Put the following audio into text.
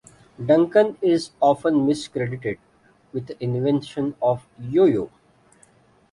Duncan is often miscredited with invention of the Yo-Yo.